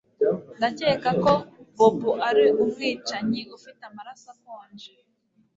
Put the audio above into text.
Ndakeka ko Bobo ari umwicanyi ufite amaraso akonje